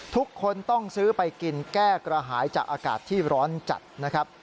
ทุกคนต้องซื้อไปกินแก้กระหายจากอากาศที่ร้อนจัดนะครับ